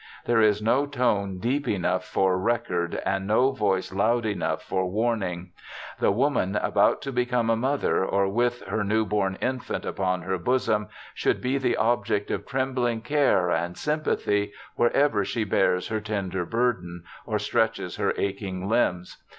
There is no tone deep enough for record, and no voice loud enough for warnmg. The woman about to become a mother, or with her new born infant upon her bosom, should be the object of trembling care and sympathy wherever she bears her tender burden, or stretches her aching limbs.